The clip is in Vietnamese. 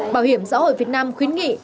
bảo hiểm xã hội việt nam khuyến nghị